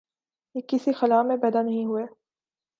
یہ کسی خلا میں پیدا نہیں ہوئے۔